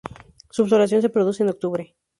Su floración se produce en octubre.